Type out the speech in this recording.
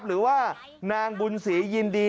หรือว่านางบุญศรียินดี